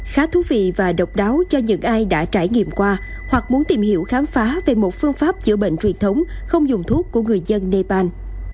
khá thú vị và độc đáo cho những ai đã trải nghiệm qua hoặc muốn tìm hiểu khám phá về một phương pháp chữa bệnh truyền thống không dùng thuốc của người dân nepal